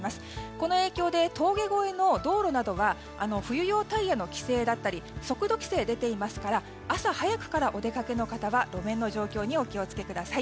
この影響で峠越えの道路などは冬用タイヤの規制や速度規制が出ていますから朝早くからお出かけの方は路面の状況にお気を付けください。